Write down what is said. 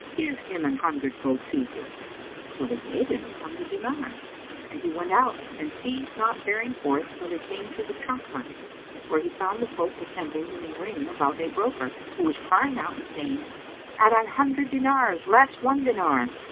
Give him an hundred gold pieces." So they gave him an hundred dinars, and he went out, and ceased not faring forth till he came to the trunk market, where he found the folk assembled in a ring about a broker, who was crying out and saying, "At an hundred dinars, less one dinar!